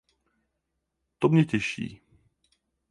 To mě těší.